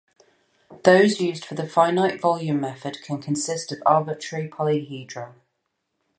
Those used for the finite volume method can consist of arbitrary polyhedra.